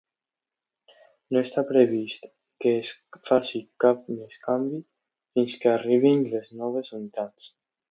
No està previst que es faci cap més canvi fins que arribin les noves unitats.